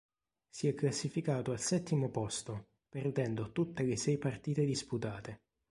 Si è classificato al settimo posto perdendo tutte le sei partite disputate.